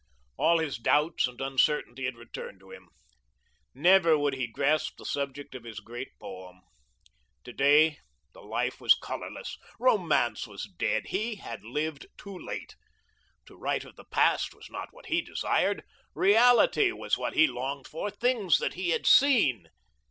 All his doubts and uncertainty had returned to him. Never would he grasp the subject of his great poem. To day, the life was colourless. Romance was dead. He had lived too late. To write of the past was not what he desired. Reality was what he longed for, things that he had seen.